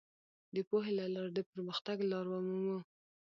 د پوهې له لارې د پرمختګ لار ومومو.